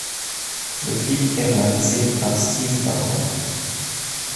Le clip est réalisé par Steve Barron.